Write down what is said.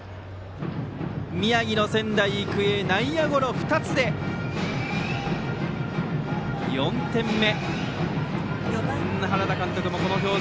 宮城の仙台育英内野ゴロ２つで４点目。